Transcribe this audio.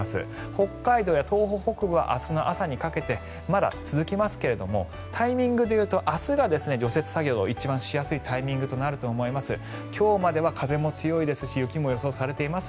北海道や東北北部は明日の朝にかけてまだ続きますがタイミングでいうと明日が除雪作業が一番しやすいタイミングになると思います。